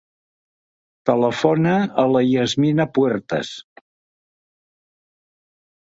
Telefona a la Yasmina Puertas.